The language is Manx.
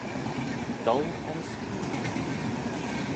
Goll er y scooyr!